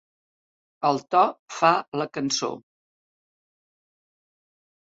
El to fa la cançó.